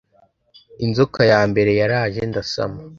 Inzoka ya mbere yaraje ndasama